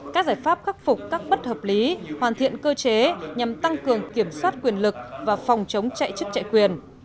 các giải pháp khắc phục các bất hợp lý hoàn thiện cơ chế nhằm tăng cường kiểm soát quyền lực và phòng chống chạy chức chạy quyền